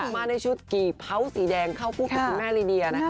มาในชุดกี่เผาสีแดงเข้าคู่กับคุณแม่ลีเดียนะคะ